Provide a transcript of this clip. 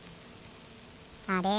あれ？